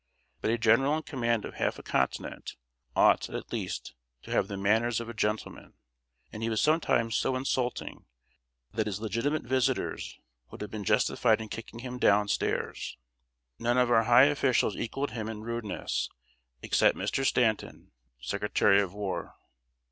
But a general in command of half a continent ought, at least, to have the manners of a gentleman; and he was sometimes so insulting that his legitimate visitors would have been justified in kicking him down stairs. None of our high officials equaled him in rudeness, except Mr. Stanton, Secretary of War.